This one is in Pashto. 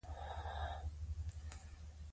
استاد به دا کیسه بیانوي.